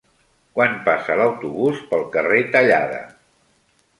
Quan passa l'autobús pel carrer Tallada?